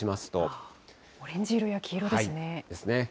オレンジ色や黄色ですね。ですね。